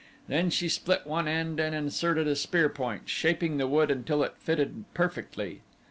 Then she split one end and inserted a spear point, shaping the wood until it fitted perfectly.